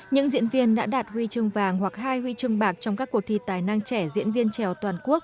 những diễn viên đã đạt huy chương vàng hoặc hai huy chương bạc trong các cuộc thi tài năng trẻ diễn viên trèo toàn quốc